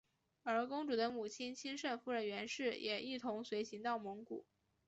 而公主的母亲钦圣夫人袁氏也一同随行到蒙古。